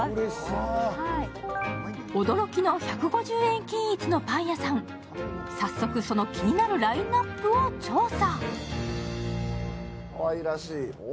驚きの１５０円均一のパン屋さん、早速、その気になるラインナップを調査。